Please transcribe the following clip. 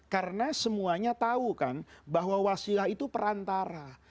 karena semuanya tahu kan bahwa wasilah itu perantara